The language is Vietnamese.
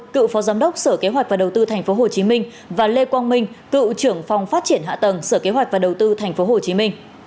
cựu phó giám đốc sở kế hoạch và đầu tư tp hcm và lê quang minh cựu trưởng phòng phát triển hạ tầng sở kế hoạch và đầu tư tp hcm